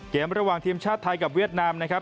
ระหว่างทีมชาติไทยกับเวียดนามนะครับ